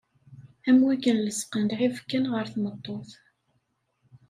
Am wakken lesqen lɛib kan ɣer tmeṭṭut.